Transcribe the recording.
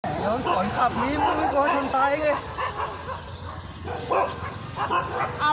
น้องสวนขับมีมือกว่าชนตายกัน